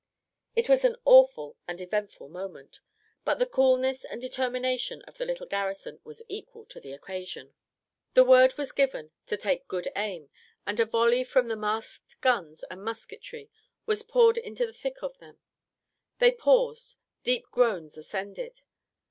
It was an awful and eventful moment; but the coolness and determination of the little garrison was equal to the occasion. The word was given to take good aim, and a volley from the masked guns and musketry was poured into the thick of them. They paused deep groans ascended!